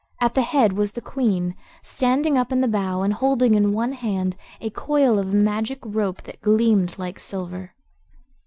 At the head was the Queen, standing up in the bow and holding in one hand a coil of magic rope that gleamed like silver.